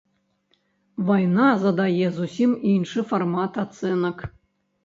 Вайна задае зусім іншы фармат ацэнак.